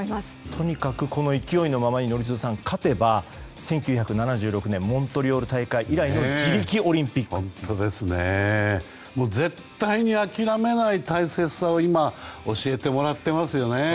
とにかくこの勢いのまま宜嗣さん、勝てば１９７６年モントリオール大会以来絶対に諦めない大切さを今、教えてもらっていますよね。